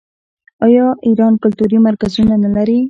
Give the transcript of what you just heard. آیا ایران کلتوري مرکزونه نلري؟